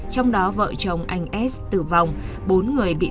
trong đó vợ chồng anh s tử vong